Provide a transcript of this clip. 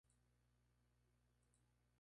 Las autoridades más altas son los jefes.